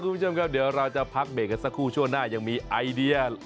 คุณผู้ชมครับเดี๋ยวเราจะพักเบรกกันสักครู่ช่วงหน้ายังมีไอเดีย